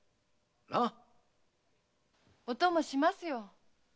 お供しますよ。